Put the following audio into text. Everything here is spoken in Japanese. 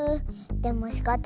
でもしかたない。